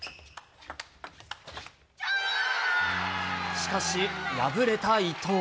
しかし、敗れた伊藤。